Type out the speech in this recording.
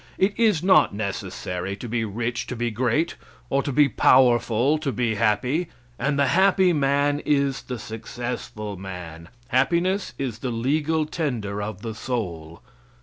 It is not necessary to be rich to be great, or to be powerful to be happy; and the happy man is the successful man. Happiness is the legal tender of the soul.